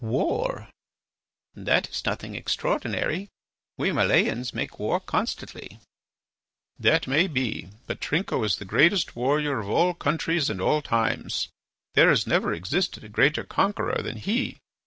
"War." "That is nothing extraordinary. We Malayans make war constantly." "That may be, but Trinco is the greatest warrior of all countries and all times. There never existed a greater conqueror than he.